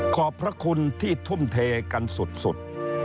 ขอบพระคุณที่ทุ่มเทกันสุด